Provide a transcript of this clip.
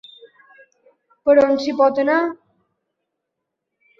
Per on s'hi pot anar?